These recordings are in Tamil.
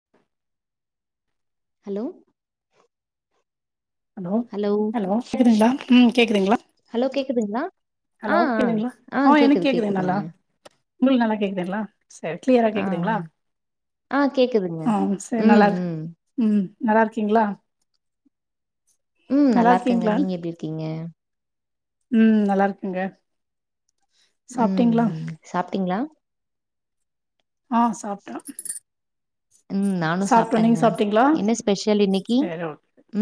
[inaudible] ஹலோ ஹலோ ஹலோ கேக்குதுங்ளா ம் கேக்குதுங்ளா ஹலோ கேக்குதுங்ளா ஹலோ கேக்குதுங்ளா ஆ எனுக் கேக்குதுங்க நல்லா உங்குள் நல்லா கேக்குதுங்ளா செரி கிளியரா ஆ கேக்குதுங்ளா ஆ கேக்குதுங்க அம் சே ம் நல்லாருக் ம் ம் நல்லார்க்கீங்ளா ம் நல்லார்க்கங்க இருக்கீங்களா நீங்க எப்டி இருக்கீங்க ம் நல்லார்க்கேங்க சாப்ட்டீங்ளா சாப்ட்டீங்ளா ஆ சாப்ட்டே ம் நானு சாப்ட்டேங்க சாப்ட்டீங்களா என்ன ஸ்பெஷல் இன்னைக்கி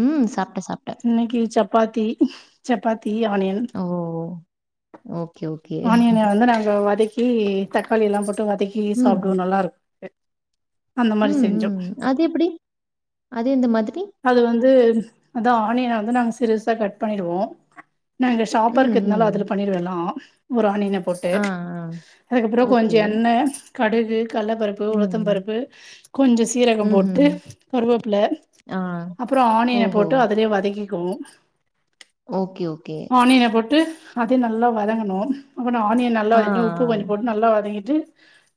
ம் சாப்ட்டே சாப் இன்னைக்கி சப்பாத்தி சப்பாத்தி ஆனியன் ஓ ஓகே ஓகே ஆனியனே வந்து நாங்க வதக் கி தக்காளி எல்லாம் போட்டு வதக்கி ம் சாப்டுவோ நல்லாருக்கு ம் ம் அது எப்டி அது எந்த மாதிரி அது வந்து அதா ஆனியன வந்து நாங்க சிறுசா கட் பண்ணிடுவோ நா இங்க ஷாப்பர் ம் ம் இக்கத்னால அதுல பண்ணிடுவே எல்லா ஒரு ஆனியனேப் போட்டு ஆ ஆ அதுக்கப்றோ ஓகே கொஞ்சோ எண்ணெ கடுகு கல்ல பருப் ப்பு ம் உளுத்தம் பருப்பு கொஞ்சோ சீரகம் ம்ஹும் போட்டு கருவேப்ல ஆ அப்றோ ஆனியன ஓஹோ போட்டு அதுலயே வதக்கிக்கோனு ஓகே ஓகே ஆனியன போட்டு அது நல்லா வதங்கணு அப்ப ஆனியன் நல்லா ஆ வதங்குன ஒடனே உப்பு ஆ கொஞ்சோ போட்டு நல்லா வதங்கிட்டு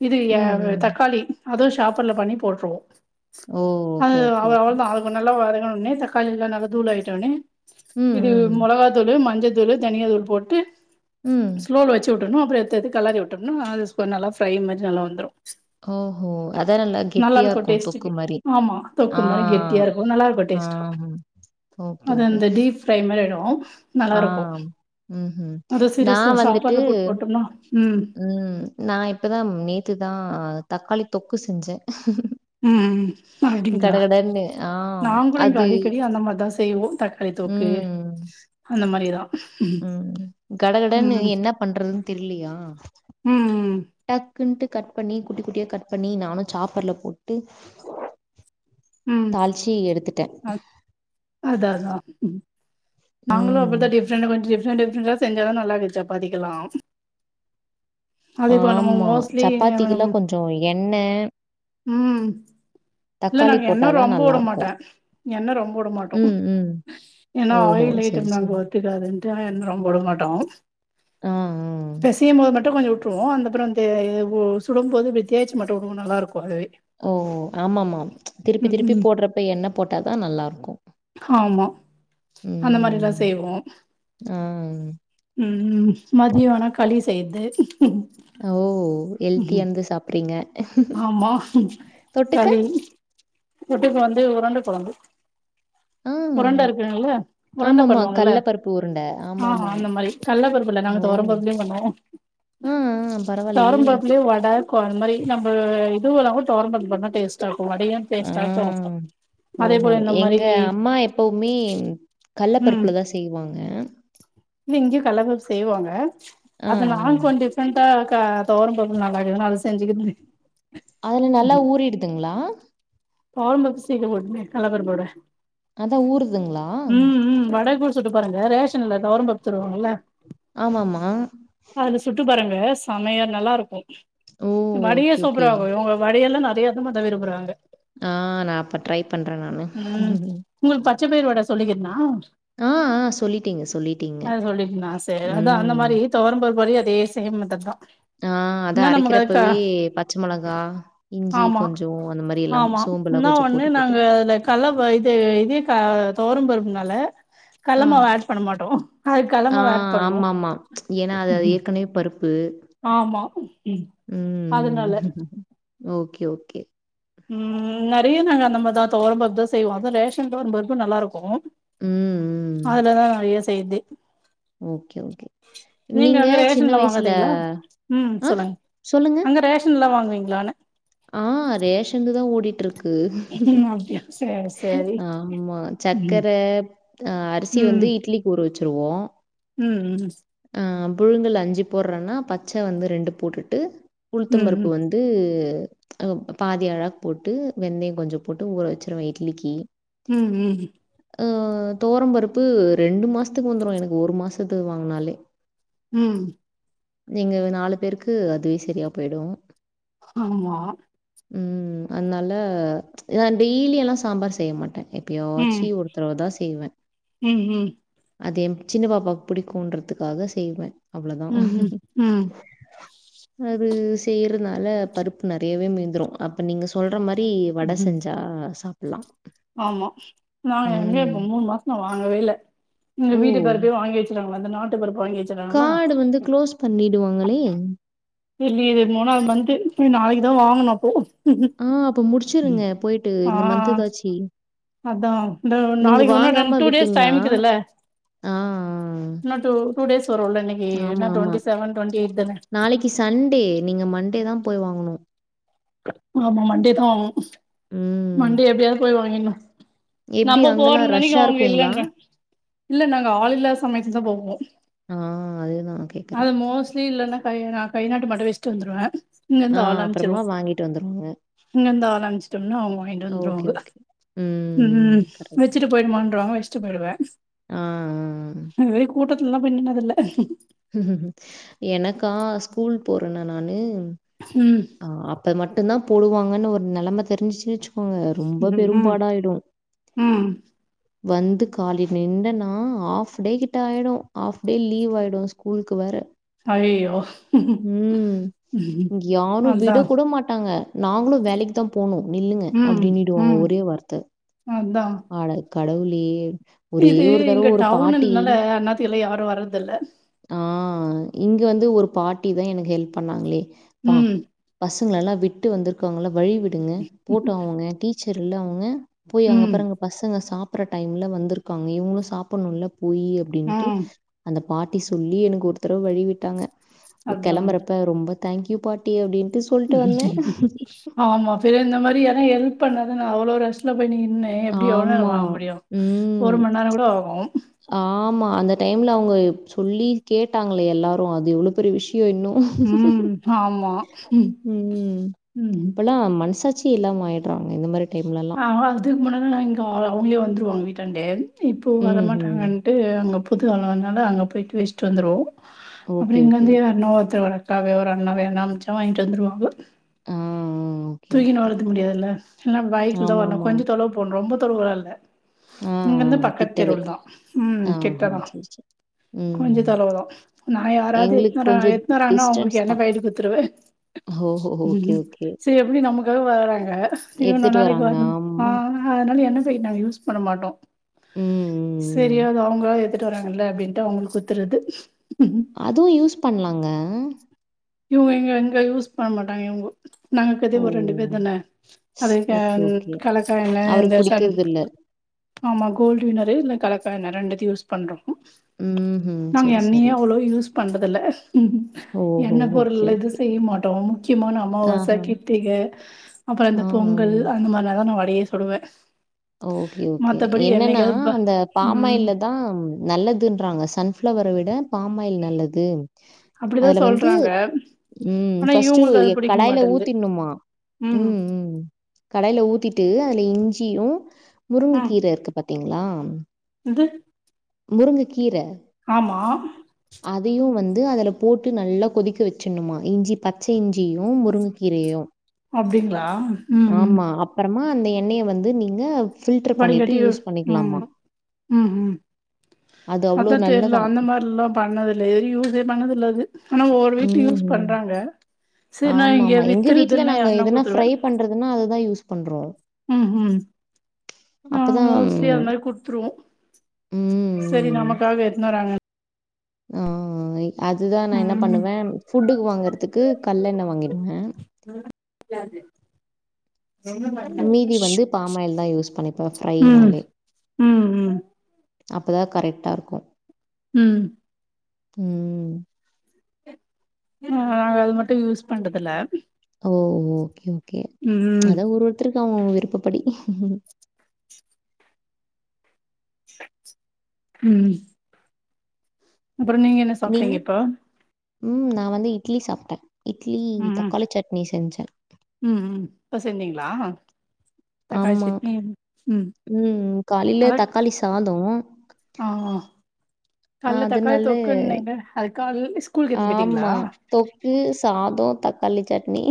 இது எ ம் ம் தக்காளி அதுவு ஷாப்பர்ல பண்ணி போட்ருவோ ஓ! அ ஓகே, ஓகே, அது ஓகே. அவ்ளதா அவ் நல்லா வதங்குனொனன்னே தக்காளில்லா நல்லா தூள் ஆயிட்டோனே ம், இது ம், மொளகா தூளு மஞ்சத்தூளு தனியா தூள் போட்டு ம் ஸ்லோல வெச்சு விட்ரனு அப்றோ எடுத்து எடுத்து கெலரி விட்ரணு அது நல்ல ஃப்ரை மாரி நல்லா வந்துரு ஓஹோ அதா நல்லா கெட்டியா இருக்கு தொக்கு டேஸ்ட்டுக்கு மாரி ஆமா தொக்கு ஆ மாரி கெட்டியா இருக்கு நல்லா இருக்கு ஆ டேஸ்ட்டு அது அந்த டீப் ஃப்ரை மாரி ஆயிடு ஆ, நல்லாருக்கு ம்ஹ்ம். இந்த சீரிஸ் ந நான் வந்துட்டு சாப்பர்ல போட்டு போட்டுமா ம் நா இப்பதா நேத்துதா தக்காளி தொக்கு செஞ்சே ம் ம் அப்டிங்களா ஆ நாங்களு இங்க அது அடிக்கடி அந்த மாரிதா செ செய்வோ தக்காளி தொக்கு ம், அந்த மாரிதா ம் கடகடனு ம் என்ன பண்றதுனு தெர்லயா ம் டக்குன்ட்டு கட் பண்ணி குட்டி குட்டியா கட் பண்ணி நானு சாப்பர்ல போட்டு ம் தாள்ச்சி எடுத்துட்டே அதா அதா நாங்களு ம். அப்டிதா டி என்ன கொஞ்ச டிஃப்ரண்ட் டிஃப்ரண்டா செஞ்சாதா நல்லாருக்கு சப்பாத்திகெல்லா நம்ம ஆமா மோஸ்ட்லி சப்பாத்திக்கெல்லா கொஞ்சொ எண்ணெ ம் இல்ல தக்காளி நாங்க போட்டா எண்ணெ தான் ரொம்ப உடமாட்டே நல்லாருக்கும். எண்ணெ ரொம்ப உடமாட்டோ ம், ம். ஏனா ஓஹோ! ஆயில் சரி, ஐட்டம்லா நமக்கு சரி. ஒத்துக்காதுன்ட்டு எண்ணெ ரொம்ப உடமாட்டோ ஆ, ஆ. பெஸ் செய்யும்போது மட்டு கொஞ்சோ உட்டுருவோ அந்தப்றோ வந்து இது சுடும்போது இப்டி தேச்சி மட்டு உடுவோ நல்லாருக்கு அதுவே ஓ ஆமாமா திருப்பி ம் திருப்பி ம் போட்றப்ப எண்ணெ போட்டாதா நல்லாருக்கு ஆமா அந்த மாரிலா ம். செய்வோ ஆ. ம் மதிய ஆனா களி செய்யற்து ஓ ஹெல்த்தியான்து சாப்றீங்க ஆமா களி தொட்டுக்க வந்து உரண்ட கொழம்பு உ உரண்ட இருக்குங்கள உரண்ட பண்ணுவாங்கல கடல பருப்பு உருண்ட. ஆ ஆமாமா. அந்த மாரி கல்ல பருப்பு இல்ல ஓ! நாங்க தொவரம் பருப்புலயே பண்ணுவோ ஆ, ஆ. பரவாயில்லயே! தொவரம் பருப்புலயே வட அந்த மாரி நம்ப இதுவு இல்லாம தொவரம்பருப்பு பண்ணா டேஸ்டா இருக்கு வடயு ஆ. டேஸ்டா இருக்கு ஓஹோ எங்க அம்மா எப்பவுமே கல்ல பருப்புல தா செய்வாங்க இங்க இங்கயு கல்ல பருப்பு செய்வாங்க ஆ, அத ஆ. ஆண் கொண்டு இந்த க தொவரம்பருப்பு நல்லாருக்குதுனு அத செஞ்சுக்கிறது அதுல நல்லா ஊறிடுதுங்களா பாவம்பாத்து [unintelligible] கல்லபருப்பொட அதா ஊறுதுங்களா ம் ம் வட கூ சுட்டு பாருங்க ரேஷன்ல தொவரம்பருப்பு தருவாங்கல ஆமாமா அதுல சுட்டு பாருங்க செம்மயா நல்லாருக்கு ஓ வடயே ஓகே ஓகே சூப்பராக்கு இவங்க வடயெல்லா நெறையதுமாதா விரும்புறாங்க ஆ நா அப்ப ட்ரை பண்ற நானு ம் உங்களுக்கு பச்ச பயிர் வட சொல்லிக்கேர்னா ஆ ஆ சொல்லிட்டீங்க சொல்லிட்டீங்க அத சொல்லிக்கனா சேரி அதா அந்த ம் மாரி தொவரம் பருப்பு வரயு அதே சேம் மெத்தேட் தா ஆ அத என்ன நமக்கு அதுக்கா அரைக்கிறப்பவே பச் ச்ச மொளகா இஞ்சி ஆமா கொஞ்சோ அந்த மாரி எல்லா சோம்பு எல்லா கொஞ்சோ போட்டு போட்டு நல்லா வ இது இது க தொவரம் பருப்புனால கல்ல ஆ மாவு ஆட் பண்ண மாட்டோ அதுக் கல்ல ஆ மாவு ஆட் பண்ணு ஆமாமா ஏன்னா அது ஏற்கனவே பருப்பு ஆமா ம் அதனால ஓகே ஓகே ம் நெறைய நாங்க அந்த மாரிதா தொவரம்பருப்பு தா செய்வோ அதுவு ரேஷன் தொவரம்பருப்பு நல்லா இருக்கு ம் ம் அதுலதா [unintelligible] செய்றதே ஓகே ஓகே நீங்க அங்க சின்ன ரேஷன்ல வயசுல வாங்காதீங்களா ஆ சொல்லுங்க ரேஷன்லா வாங்குவீங்களானே ஆ ரேஷன்ல தா ஓடிட்டு இருக்கு ம் அப்டியா சேர் ஆமா சக்கர ஆ அரிசி ம் வந்து இட்லிக்கு ஊற வெச்சிருவோ ம் ம் ஆ புழுங்கல் அஞ்சு போட்றேன்னா பச்ச வந்து ரெண்டு போட்டுட்டு ம் ம் உளுத்தம்பருப்பு வந் து பாதி அளக் போட்டு வெந்தயோ கொஞ்சோ போட்டு ஊற வெச்சிருவ இட்லிக்கி ம் ம் ஆ தொவரம்பருப்பு ரெண்டு மாசத்துக்கு வந்துரு எனக்கு ஒரு மாசத்துக்கு வாங்குனாலே ம் நீங்க நாலு பேருக்கு அதே செரியா போய்டு ஆமா ம் அதுனால நா டெய்லி எல்லா சாம்பார் செய்ய மாட்டே ம் எப்பயாச்சி ஒரு தடவ தா செய்வே ம் ம் அதே எம் சின்ன பாப்பாவுக்கு புடிக்குன்றதுக்காக செய்வே ம் ம் ம் அது செய்யறனால பருப்பு நெறையாவே மீந்திரு அப்ப நீங்க சொல்ற மாரி வட ம் செஞ்சா சாப்பில்லா ஆமா நாங்க எங்க இப்ப மூணு மாசோ வாங்கவே இல்ல எங்க ஓ வீட்டுக்காரு வாங்கி வெச் க்கிறாங்க அந்த நாட்டு பருப்ப வாங்கி வெச் காடு வந்து குளோஸ் பண்ணிடுவாங்களே [unintelligible] இது மூணாவ்து மன்த்து பேய் நாளிக்கிதா வாங்கனு அப்போ ஆ அப்ப ம். முடுச்சுருங்க போயிட்டு ஆ இந்த மந்த்து எதாச்சி அதா இந்த நாளிக்கி உன்னா ரெண் டூ டேஸ் விட்டிங்கன்னா டைமிக்குதுல்ல ஆ ஆ. என்ன தூ டூ டேஸ் வருல்ல இன்னிக்கி ஆமா என்ன ஆமா டுவெண்டி செவன் டுவெண்டி எய்ட் தான நாளைக்கு சண்டே நீங்க மண்டே தா போய் வாங்கணு ஆமா மண்டே தா வாங்னு ம் மண்டே எப்டியாவ்து போய் வாங்கின்னு எப்படி நம்ம அங்கெல்லாம் போறோன்னனைக்கி ரஷ்ஷாக அவங்க இருக்குங்களா இல்லங்ங்க இல்ல நாங்க ஆள் இல்லா சமயத்துதா போவோ ஆ அதுதான் கேட்குறேன் அது மோஸ்ட்லி இல்லன்னா கை நா கை நாட்டு மட்டு வெச்சுட்டு வந்துருவே இங்கருந்து ஆ அப்றமா வாங்கிட்டு வந்துருவாங்க இங்கந்து ஆளம்ச்டோம்னா அவங்க வாங்கிட்டு வந்துருவாங்க ஓகே. ம் வெச்சுட்டு போய்டுமான்றாங்க வெச் ச்சு போய்டுவ அ அ அ [unintelligible] கூட்டத்துல்லா பேய் நின்னதில்ல எனக்கா ஸ்கூல் போறனா நானு ம் அ அப்ப மட்டுந்தா போடுவாங்கன்னு ஒரு நெலம தெரிஞ்சிச்சுன்னு வச்சுக்கோங்க ரெம்ப ம் ம் பெரும்பாடாயிடு ம் வந்து காலே நின்டன்னா ஆஃப் டே கிட்ட ஆயிடு ஆஃப் டே லீவாயிடு கூல்க்கு வேற அய்யயோ ம் யாரு அதா விட கூட மாட்டாங்க நாங்களு வேலக்கி தா போணு நில்லுங்க ம் அப்டின்னிடுவாங்க ஒரே வார்த்த ம் அதா அட கடவுளே ஒரே இது ஒரு இங்க தடவ ஒரு பாட்டி டவுனுன்னால அண்ணாத்த எல்லா யாரு வரதில்ல ஆ இங்க வந்து ஒரு பாட்டி தா எனக்கு ஹெல்ப் பண்ணாங்களே ப்பா ம் பசங்களலா விட்டு வந்துருக்காங்கல்ல வழி விடுங்க போட்டு அவங்க டீச்சர் இல்ல அவங்க போய் ம் அங்கப்பாருங்க பசங்க சாப்டுற டைம்ல வந்திருக்காங்க இவங்களு சாப்டணுல்ல நில்லு அப்டின்ட்டு ம் அந்த பாட்டி சொல்லி எனக்கு ஒருதடவ வழி விட்டாங்க அதா கெளம்பறப்ப ரொம்ப தேங்க்யூ பாட்டி அப்டின்ட்டு சொல்ட்டு வந்தே ஆமா செரி இந்த மாரி யாருனா எல்ப் பண்ணாதா நா அவ்ளோ ரஸ்ல போய் நின்னே எப்டி எவ்ளோ நேரோ ஆமா. வாங்க முடியு ஒரு ம். மண் நேரோ கூட ஆகு ஆமா அந்த டைம்ல அவங்க சொல்லி கேட்டாங்களே எல்லாரு அது எவ்ளோ பெரிய விஷயோ இன்னு ம் ஆம் ம் இப்பல்லா மனசாட்சியே இல்லாம ஆய்ட்றாங்க இந்த மாரி டைம்லலாம். அ அதுக்கு முன்னனா நா இங்க அவங்களே வந்துருவாங்க வீட்டாண்டே இப்போ ம்ஹ்ம். வரமாட்டாங்கன் அங்க புது [unintelligible] அங்க போயிட்டு வச்சிட்டு வந்துருவோம் ஓகே, அப்பறம் ஓகே. இங்கந்து [unintelligible] க்காக ஒரு அண்ணா வேணா அனுச்சா வாங்கிட்டு வந்துருவாங்க அ அ அ தூக்கின்னு வரதுக்கு முடியாதுல்ல இல்லா பைக்ல தா வரணு ஆமாமா. கொஞ்சோ தொலைவு போணும் ரொம்ப தொலைவுல இல்ல ஆ, இங்க ஆ இருந்து கிட்டவே. பக்கத்தெருவுல தா ம் ஆஹா, கிட்டதா சரி, சரி. கொஞ்சோ ம். தொலைவு தா நா யாராவது எங்களுக்கு எத்துனு கொஞ்சம் எத்துனுவறாங்கனா அவங்களுக்கு என்ன பாக்கெட் குடுத்துருவே ஓ ஓகே ஓகே எப்டி நமக்காக வராங்க [unintelligible] எடுத்துட்டு நாளைக்கு வராங்க. அ ஆமா. அதனால எண்ண பாக்கெட் நாங்க யூஸ் பண்ண மாட்டோ ம், சரி ம், ம். அது அவங்களா எடுத்துட்டு வராாங்கல்ல அப்டின்ட்டு அவங்களுக்கு குத்துறது அதுவும் யூஸ் பண்ணலாங்க இவங்க இங்க எங்க யூஸ் பண்ண மாட்டாங்க இவங்க நாங்க ஓ! இருக்றது ஒரு ரெண்டு பேர் தான அதுக்கு ஓகே, ஓகே. கலக்க என்ன இந்த அவருக்கு ச பிடிக்கிறது இல்ல. ஆமா கோல்டு வின்னரு இல்ல கலக்கா எண்ண ரெண்டுத்தையும் யூஸ் பண்றோ ம்ஹ்ம். நாங்க சரி, எண்ணையே சரி. அவ்ளோ யூஸ் பண்றதுல ஓஹோ! Okay, okay. செய்ய மாட்டோ முக்கியமான அமாவாசை ஆஹா. கிர்த்திக அப்பறம் அந்த ஆ, ஆ. பொங்கல் அந்த மாரில தா நா வடையே சுடுவே ஓகே ஓகே மத்தபடி என்னன்னா என்னைக்காவது ப அந்த ம் பாமயில்ல தான் நல்லதுன்றாங்க சன்ஃப்ளவர விட பாமாயில் நல்லது அப்படிதா அதுல வந்து சொல்றாங்க ம் ஆனா ஃபஸ்ட்டு இவுங்களுக்கு அது புடிக்க கடாய்ல மாட்டேன்து ஊத்திட்னுமா ம் ம் கடாய்ல ஊத்திட்டு அதுல இஞ்சியு முருங்க ம் கீர இருக்கு பாத்தீங்களா இது முருங்க கீர ஆமா அதையு வந்து அதில போட்டு நல்லா கொதிக்க வச்சணுமா இஞ்சி பச்ச இஞ்சியு முருங்க கீரையு அப்டிங்ளா ம் ம் அப்பறமா அந்த எண்ணெய வந்து நீங்க ஃபில்டர் வடி பண்ணிட்டு கட்டி யூஸ் ம் பண்ணிக்கலாமா. ம் ம் அது அவ்ளோ அதா தெர்ல நல்லதாம். அந்த மாரில்லா பண்ணதுல்ல எது யூசே பண்ணதுல்ல அது ஆனா ஒவ்வொரு வீட்ல யூஸ் ம்ஹ்ம். பண்றாங்க சரி நா இங்க ஆமாமா எங்க வீட்ல வித்துருதுல்லா நாங்க யாருன்னா எதனா குடுத்துருவே ஃரை பண்றதுன்னா அதுதா யூஸ் பண்றோ ம்ஹூம் நாங்க மோஸ்ட்லி அந்த மாரி குட்த்துருவோ சரி ம். நமக்காக எட்ன்னு வராங்க ஆ அதுதா நா என்ன ம் பண்ணுவ ஃபுட்டுக்கு வாங்கறதுக்கு கட்லெண்ண வாங்கிடுவ [inaudible] மீதி வந்து பாம் ஆயில் தான் யூஸ் பண்ணிப்பேன் ம் ஃப்ரைனாலே. ம் ம் அப்பதா கரெட்டா இருக்கு ம் ம் நாங்க அது மட்டு யூஸ் பண்டதுல ஓ ஓகே ஓகே அதா ஒரு ஒருத்தருக்கு அவங்கவங்க விருப்பப்படி ம் அப்புறோ நீங்க என்ன நீங்க? சாப்ட்டீங்க இப்போ ம் நா வந்து இட்லி சாப்ட்ட இட்லி ம் ம் தக்காளி சட்னி செஞ்ச ம் ம் இப்ப செஞ்சீங்ளா தக்காளி ஆமா. சட்னி ம் ம் காலைல அதா தக்காளி சாதோ ஆ கால்லே தக்காளி அதனால தொக்குன்னீங்க அதுக்கால்லே ஆமா தொக்கு சாதோ தக்காளி சட்னி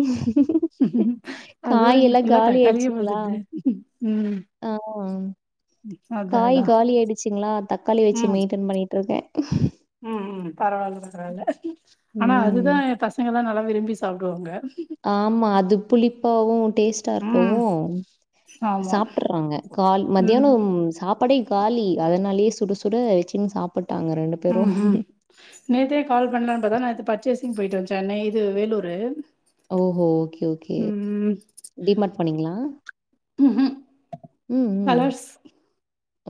அதுவா காயெல்லா இன்னைக்கு ஃபுல்லா காலி தக்காளியே ஆய்ட்ச்சிங்ளா போல்துது ம் ஆ அதா காய் அதா காலி ஆய்டுச்சுங்ளா தக்காளி வச்சு ம் மெய்ன்டென் பண்ணிட்ருக்க ம் ம் பரவால்ல பரவால்ல ஆனா அதுதா ம். பஸ் சங்கல்லா நல்லா விரும்பி சாப்டுவாங்க ஆமா அது புளிப்பாவு டேஸ் டா ம் இருக்கவு ஆமா சாப்டுறாங்க கால் ம் மத்தியானம் சாப் பாடே காலி அதனாலயே சுட சுட வச்சுன்னு சாப்பிட்டாங்க ரெண்டு ம் ம் நேத்தே கால் பண்லான் பாத்தா நேத்து பர்ச்சேசிங் போய்ட்டு வந்த நே இது வேலூரு ஓஹோ ஓகே ஓகே ம் டிமார்ட் போனீங்களா ம்ஹூம் ம் ம்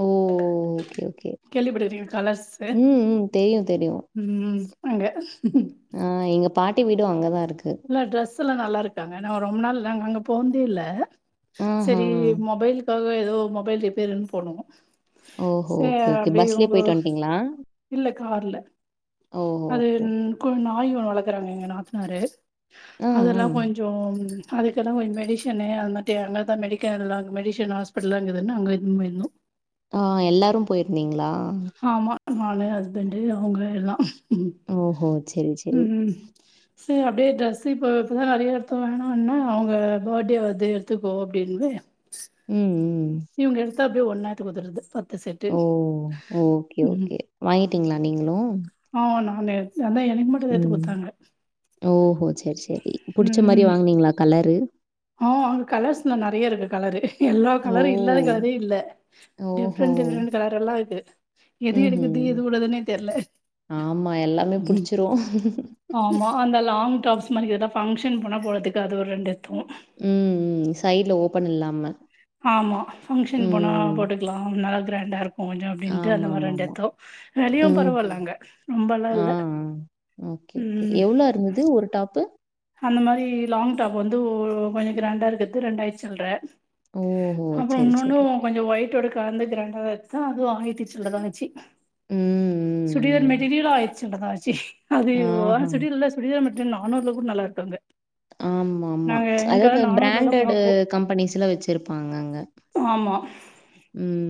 ஓ ஓகே ஓகே கேள்விப்பட்டுருக்கீங்க கலர்ஸ்சு ம், ம். தெரியும், தெரியும். ம் அங்க ஆ எங்க பாட்டி வீடு அங்கதா இருக்கு ல ட்ரெஸ் எல்லா நல்லா இருக்காங்க நா ரொம்ப நாள் நா அங்க போன்தே இல்ல ஆஹா! சரி மொபைல் இதுக்காவே எதோ மொபைல் ரிப்பேருன் போனோ ஓஹோ ஓகே ஓகே பஸ்லே போயிட்டு வன்ட்டிங்களா இல்ல கார்ல. ஓஹோ ஓகே ஓகே குன் நாய் ஒன் வளக்கறங்க எங்க நாத்தனாரு ஆ, ஆ. அதெல்லா கொஞ் சோ அதுக்கெல்லா கொஞ்சோ மெடிஷன்னு அது மட்டு [unintelligible] தா மெடிக்கனல்லா மெடிஷன் ஹாஸ்ப படலாங்குதுன்னு அங்க இத்துன்னு போயிருந்தோ ஆ எல்லாரு போயிருந்தீங்களா ஆமா நானு ஹஸ்பண்டு அவங்க எல்லா ஓஹோ! சரி, சரி. ம் சேர் அப்டே ட்ரெஸ்ஸு இப்ப இப்ப தா நறையா எடுத்தோ வேணான்ன அவுங்க பர்டே வருது எடுத்துக்கோ அப்டின்னுவே ம் ம். சீமுடி எடுத்தா அப்டியே ஒன் நேரத்துக்கு ஒதருது த்த செட்டு ஓ! ஓகே, ம் ஓகே. வாங்கிட்டீங்களா நீங்களும்? ஆ வோ நானே எத் அதா எ ம் ஓஹோ செர் சேரி புடிச்ச மாரி ம் வாங்குனீங்களா கலரு ஆ அங்க கலர்ஸ்ல நறைய இருக்கு கலரு எல்லோ ஓ! கலரு இல்லாத கலரே இல்ல ஓஹோ! டிஃப்ரெண்ட் டிஃப்ரெண்ட் கலரெல்லா இருக்கு எது ம்ஹ்ம். எடுக்கது எது விடதுன்னே தெர்ல ஆமா எல்லாமே புடிச்சிரு ஆமா அந்த லாங் டாப்ஸ் மாரி எதன்னா ஃபங்க்ஷன் போனா போடறதுக்கு அது ஒரு ரெண்டு எத்தோ ம் ம் சைடுல ஓபன் இல்லாம ஆமா பங்க்ஷன் போனா ம். போட்டுக்கலா நல்லா கிராண்டா இருக் கொஞ்சோ அப்டின்ட்டு அந்த மாரி ரெண்டு ஆமாமாமா. எத்தோ வெளயூ ம். பரவால்ல அங்க ரொம்பலா ஆ இல்ல ஆ ஓகே ஓகே ம் எவ்ளோ இருந்துது ஒரு டாப்பு அந்த மாரி லாங் டாப் வந்து ஒ கொஞ்சோ கிராண்டா இருக்கர்து ரெண்டாயிர சில்ற ஓஹோ! அப்பறோ சரி உன்னொன்னு சரி. கொஞ்சோ ஒயிட்டோடு கலந்து கிராண்ட்டா தா எடுத்தோ அதுவு ஆயிரத்தி சில்றதா ஆச்சி ம் ம் சுடிதார் ம். மெட்டீரியல் ஆயிரத்தி சில்றதா ஆச்சி அது ஆஹா! [unintelligible] சுடிதார் மெட்ரியல் நணூர்ல கூட நல்லா இருக்கு அங்க ஆமாம்மா நாங்க அதாவது இங்கலாம் பிராண்டடு பாப்போம். கம்பனிஸ்ல வெச்சிருப்பாங்க அங்க ஆமா ம்